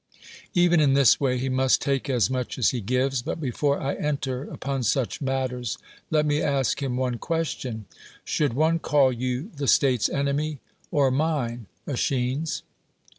Even in this way he must take as nuich as he gives; but before I enter upon such matters, lot me ask him one question — Should one call you the state's enemy, or mine, yEschines?